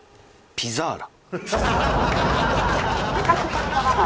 ピザーラ。